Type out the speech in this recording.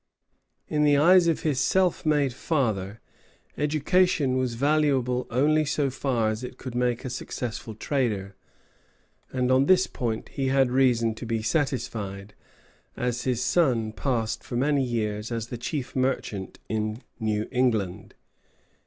In the eyes of his self made father, education was valuable only so far as it could make a successful trader; and on this point he had reason to be satisfied, as his son passed for many years as the chief merchant in New England.